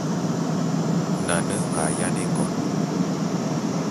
Nane a yáne ngon.